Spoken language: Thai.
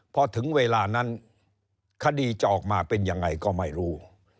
พอถึงเวลานั้นคดีจะออกมาเป็นยังไงก็ไม่รู้